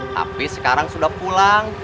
tapi sekarang sudah pulang